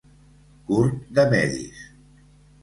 Curt de medis.